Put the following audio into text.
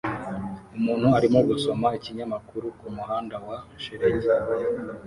Umuntu arimo gusoma ikinyamakuru kumuhanda wa shelegi